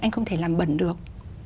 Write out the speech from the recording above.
anh không thể làm bẩn được